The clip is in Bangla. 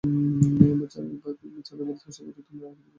এ-ছাড়া ভারতবর্ষে বৌদ্ধধর্মের আর কিছু অবশিষ্ট নেই।